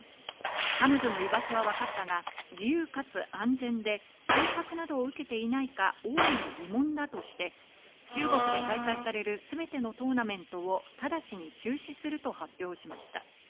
彼女の居場所はわかったが、自由かつ安全で脅迫などを受けていないか大いに疑問だとして、中国で開催されるすべてのトーナメントを直ちに中止すると発表しました。